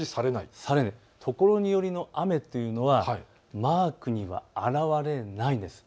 ところにより雨というのはマークには表れないんです。